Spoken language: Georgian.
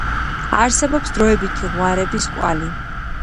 არსებობს დროებითი ღვარების კვალი.